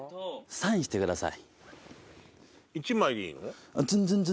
サインしてください。